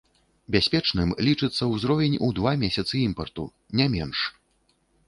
Бяспечным лічыцца ўзровень у два месяцы імпарту, не менш.